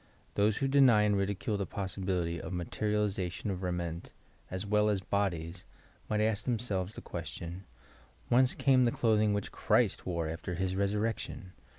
Those who deny and ridicule the possibility of materialization of raiment (as well as bodies) might ask themselves the question, "'Whenee came the clothing which Christ wore after his resurrection!"